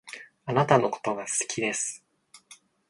貴方のことが好きです